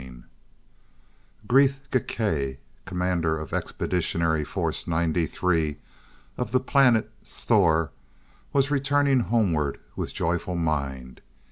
III Gresth Gkae, Commander of Expeditionary Force 93, of the Planet Sthor, was returning homeward with joyful mind.